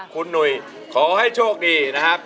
คุณหนุ่ยขอให้โชคดีนะครับ